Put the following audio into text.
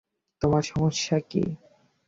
তোমার সমস্যা কি?